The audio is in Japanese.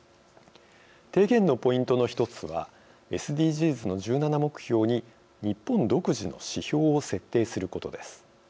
提言のポイントの１つはＳＤＧｓの１７目標に日本独自の指標を設定することです。